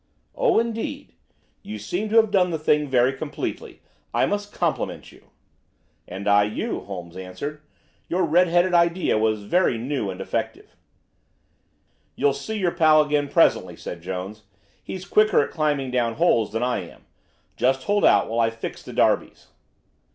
"Oh, indeed! You seem to have done the thing very completely. I must compliment you." "And I you," Holmes answered. "Your red headed idea was very new and effective." "You'll see your pal again presently," said Jones. "He's quicker at climbing down holes than I am. Just hold out while I fix the derbies."